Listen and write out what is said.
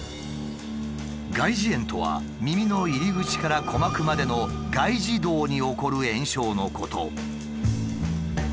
外耳炎とは耳の入り口から鼓膜までの外耳道に起こる炎症のこと。